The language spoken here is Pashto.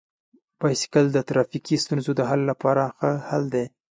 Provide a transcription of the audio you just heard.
بایسکل د ټرافیکي ستونزو د حل لپاره ښه حل دی.